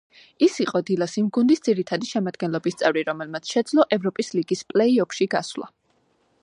ის იყო „დილას“ იმ გუნდის ძირითადი შემადგენლობის წევრი, რომელმაც შეძლო ევროპის ლიგის პლეი-ოფში გასვლა.